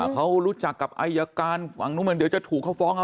เขารู้จักกับอายการหวังเดี๋ยวจะถูกเขาฟ้อง